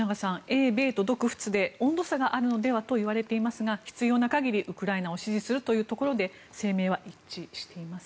英米と独仏で温度差があるのではといわれていますが必要な限りウクライナを支援するということで声明は一致しています。